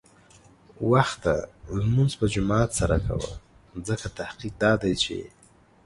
وخته لمونځ په جماعت سره کوه، ځکه تحقیق دا دی چې